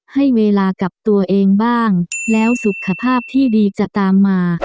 ให้เวลากับตัวเองบ้างแล้วสุขภาพที่ดีจะตามมา